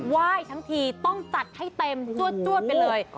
ว่ายทั้งทีต้องจัดให้เต็มจั่วไปเลย